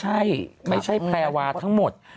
ใช่ไม่ใช่แพรวาทั้งหมด